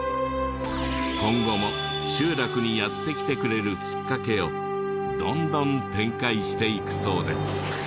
今後も集落にやって来てくれるきっかけをどんどん展開していくそうです。